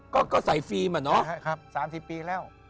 ก็ใส่ฟิล์มเนาะครับ๓๐ปีแล้ว